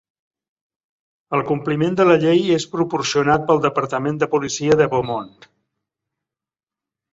El compliment de la llei és proporcionat pel departament de policia de Beaumont.